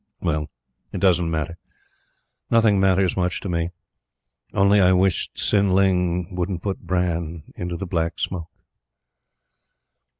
Well, it doesn't matter. Nothing matters much to me only I wished Tsin ling wouldn't put bran into the Black Smoke.